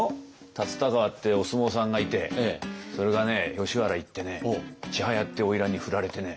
龍田川ってお相撲さんがいてそれがね吉原行って千早っていうおいらんに振られてね